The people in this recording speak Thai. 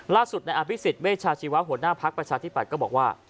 ล่าสุดในอภิษฎเวชาชีวะหัวหน้าภักดิ์ประชาธิปัตย์ก็บอกว่า